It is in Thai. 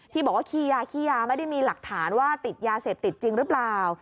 ที่บอกว่าขี้ยาขี้ยาไม่ได้มีหลักฐานว่าติดยาเสพติดจริงหรือเปล่า